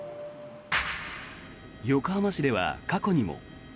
横浜市では過去にも。